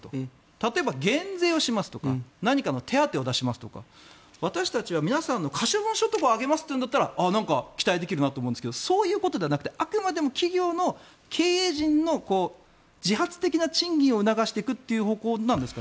例えば減税をしますとか何かの手当を出しますとか私たちは皆さんの可処分所得を上げますというならなんか期待できるなと思いますがそういうことではなくてあくまでも企業の経営陣の自発的な賃金を促していくという方向なんですか？